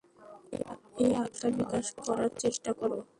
এই আত্মা বিকাশ করবার চেষ্টা কর্।